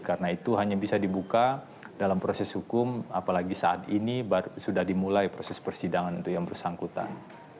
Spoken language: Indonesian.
karena itu hanya bisa dibuka dalam proses hukum apalagi saat ini sudah dimulai proses persidangan yang bersangkutan